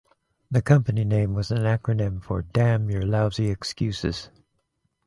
The company name was an acronym for Damn Your Lousy Excuses.